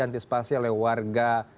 dan puncaknya di februari